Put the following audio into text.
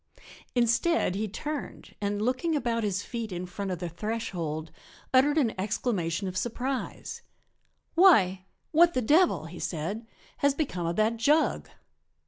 Instead he turned and, looking about his feet in front of the threshold, uttered an exclamation of surprise. "Why! what the devil," he said, "has become of that jug?"